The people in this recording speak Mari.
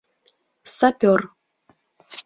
— Сапёр...